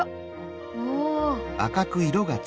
おお！